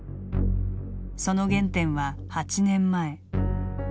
その原点は８年前。